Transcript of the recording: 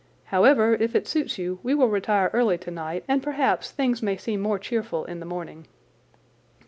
However, if it suits you, we will retire early tonight, and perhaps things may seem more cheerful in the morning."